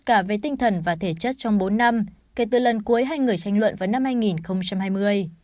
cả về tinh thần và thể chất trong bốn năm kể từ lần cuối hai người tranh luận vào năm hai nghìn hai mươi